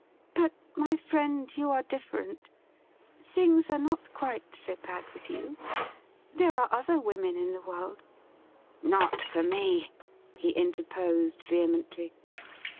But, my friend, you are different ; things are not quite so bad with you. There are other women in the world ' 104 THE RIDDLE RING ' Not for me,' he interposed vehemently.